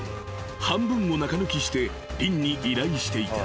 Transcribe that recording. ［半分を中抜きしてリンに依頼していた］